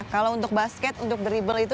kalau untuk basket untuk dribble itu